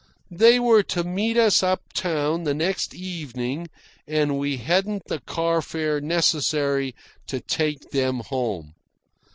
They were to meet us up town the next evening, and we hadn't the car fare necessary to take them home.